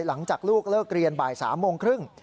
หลังจากลูกเลิกเรียนบ่าย๓โมงครึ่ง